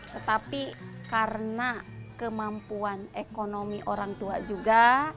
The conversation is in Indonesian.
tetapi karena kemampuan ekonomi orang tua juga